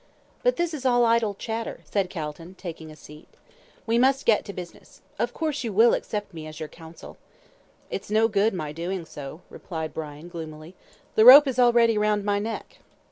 "But this is all idle chatter," said Calton, taking a seat. "We must get to business. Of course, you will accept me as your counsel." "It's no good my doing so," replied Brian, gloomily. "The rope is already round my neck."